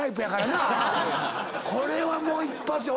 これはもう一発や。